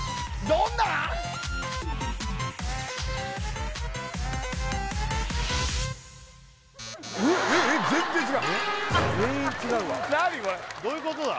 どういうことだ？